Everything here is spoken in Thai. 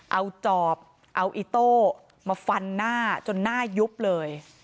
เอาจอบเอาอิโต้มาฟันหน้าจนหน้ายุบเลย